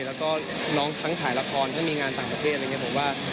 แล้วก็น้องทั้งถ่ายละครทั้งมีงานต่างประเทศอะไรอย่างนี้ผมว่า